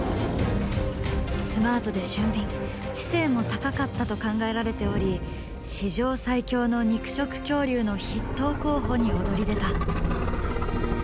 スマートで俊敏知性も高かったと考えられており史上最強の肉食恐竜の筆頭候補に躍り出た。